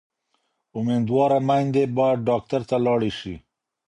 امیندواره میندې باید ډاکټر ته لاړې شي.